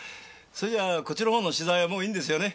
それじゃこっちのほうの取材はもういいんですよね？